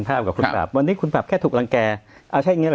ภาพกับคุณบาปวันนี้คุณบาปแค่ถูกรังแกเอาใช่อย่างงี้